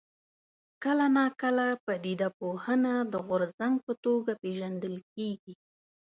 کله ناکله پدیده پوهنه د غورځنګ په توګه پېژندل کېږي.